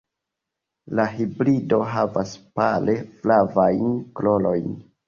La hibrido havas pale flavajn florojn.